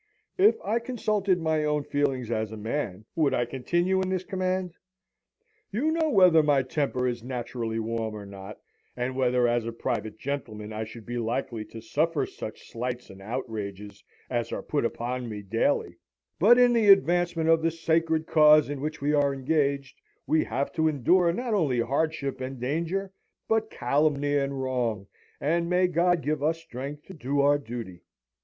If I consulted my own feelings as a man, would I continue in this command? You know whether my temper is naturally warm or not, and whether as a private gentleman I should be likely to suffer such slights and outrages as are put upon me daily; but in the advancement of the sacred cause in which we are engaged, we have to endure not only hardship and danger, but calumny and wrong, and may God give us strength to do our duty!'